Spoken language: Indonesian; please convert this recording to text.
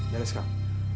ya ya sekarang